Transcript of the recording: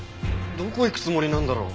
どこへ行くつもりなんだろう？